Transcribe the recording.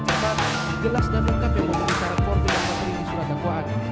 jelas dan lengkap yang menjadi parakor dengan materi di surat dakwaan